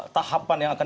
tahapan yang akan